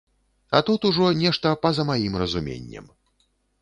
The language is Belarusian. А тут ужо нешта па-за маім разуменнем.